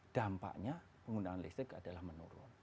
dampaknya penggunaan listrik adalah menurun